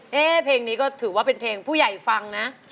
เพลงนี้ก็ถือว่าเป็นเพลงผู้ใหญ่ฟังนะ